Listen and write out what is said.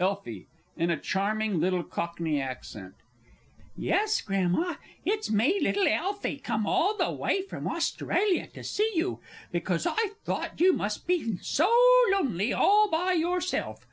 _ Elfie (in a charming little Cockney accent). Yes, Grandma, it's me little Elfie, come all the way from Australia to see you, because I thought you must be sow lownly all by yourself!